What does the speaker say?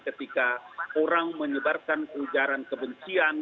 ketika orang menyebarkan ujaran kebencian